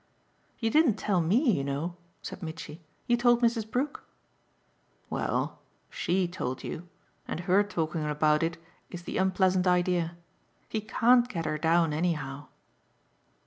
"You didn't tell ME, you know," said Mitchy. "You told Mrs. Brook." "Well, SHE told you, and her talking about it is the unpleasant idea. He can't get her down anyhow."